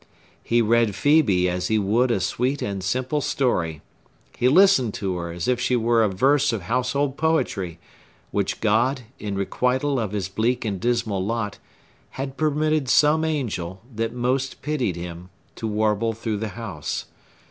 He read Phœbe as he would a sweet and simple story; he listened to her as if she were a verse of household poetry, which God, in requital of his bleak and dismal lot, had permitted some angel, that most pitied him, to warble through the house.